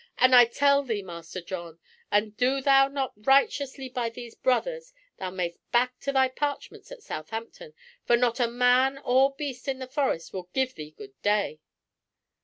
And I tell thee, Master John, an thou do not righteously by these thy brothers, thou mayst back to thy parchments at Southampton, for not a man or beast in the Forest will give thee good day."